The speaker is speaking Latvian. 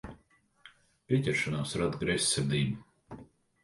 Pieķeršanās rada greizsirdību.